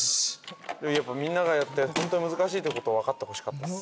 みんながやってホントは難しいってことを分かってほしかったです。